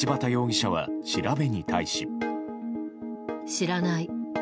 知らない。